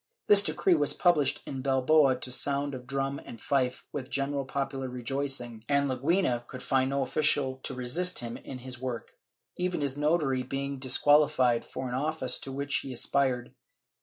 This decree was published in Bilbao to sound of drum and fife, with general popular rejoicing, and Leguina could find no official to assist him in his work, even his notary being disqualified for an office to which he aspired.